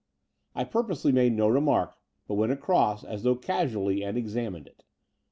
I purposely made no remark, but went across, as though casually, and examined it.